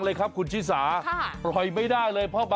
กลับไปนิดเดี๋ยว